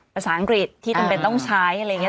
ภาษาอังกฤษที่จำเป็นต้องใช้อะไรอย่างนี้